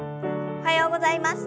おはようございます。